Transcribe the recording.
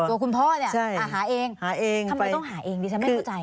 ตัวคุณพ่อเนี่ยหาเองหาเองทำไมต้องหาเองดิฉันไม่เข้าใจ